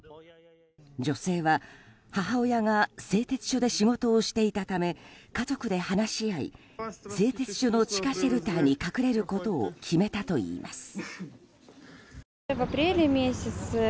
女性は母親が製鉄所で仕事をしていたため家族で話し合い製鉄所の地下シェルターに隠れることを決めたといいます。